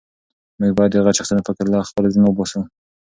موږ باید د غچ اخیستنې فکر له خپلو زړونو وباسو.